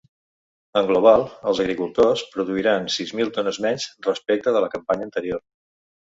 En global, els agricultors produiran sis mil tones menys respecte de la campanya anterior.